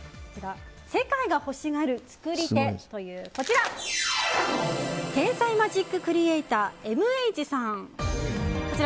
世界が欲しがる創り手という天才マジッククリエーターＭＨさん。